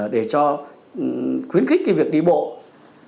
để cho khuyến khích cái việc di chuyển chậm